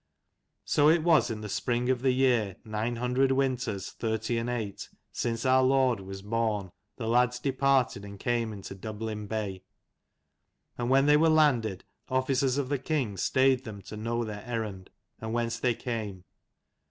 So it was in the spring of the year, nine hundred winters, thirty and eight, since our Lord was born, the lads departed and came into Dublin Bay. And when they were landed, officers of the king stayed them to know their errand and whence they came.